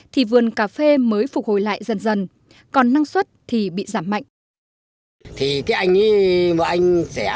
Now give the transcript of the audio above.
thì vườn cà phê mới phục hồi lại dần dần còn năng suất thì bị giảm mạnh